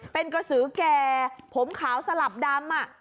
เป็นกระสือแก่ผมขาวสลับดำ